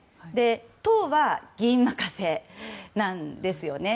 党は議員任せなんですよね。